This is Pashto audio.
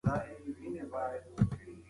زده کړه په خوشحاله چاپیریال کې ښه کیږي.